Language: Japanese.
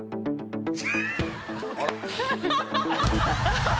ハハハ！